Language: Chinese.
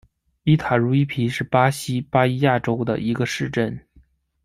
伊塔茹伊皮是巴西巴伊亚州的一个市镇。